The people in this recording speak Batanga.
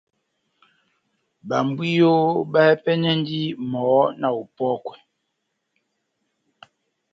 Babwiyo bahɛpɛnɛnɛndini mɔhɔ́ na opɔ́kwa